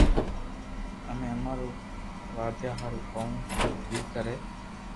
امي امارو نو ودايا ھارو ڪاو بي ڪري